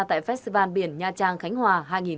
tại festival biển nha trang khánh hòa